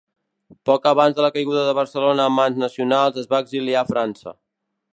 Poc abans de la caiguda de Barcelona a mans nacionals es va exiliar a França.